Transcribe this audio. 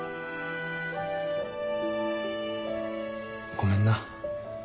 ごめんな。